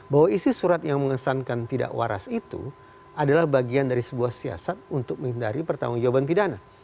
bahwa isi surat yang mengesankan tidak waras itu adalah bagian dari sebuah siasat untuk menghindari pertanggung jawaban pidana